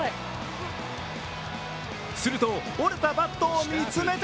すると、折れたバットを見つめて